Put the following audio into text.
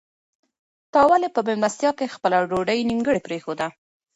تا ولې په مېلمستیا کې خپله ډوډۍ نیمګړې پرېښوده؟